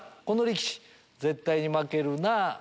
この力士絶対に負けるなぁ。